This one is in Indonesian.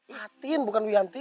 hati bukan wianti